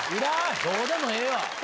どうでもええわ！